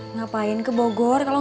ngapain ke bogor kalau gak ada keperluan